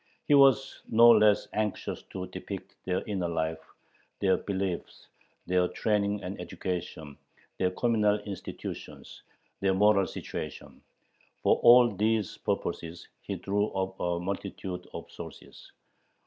He was no less anxious to depict their inner life, their beliefs, their training and education, their communal institutions, their "moral situation." For all these purposes he drew upon a multitude of sources.